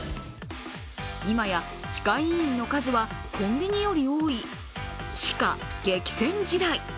今や、歯科医院の数はコンビニより多い歯科激戦時代。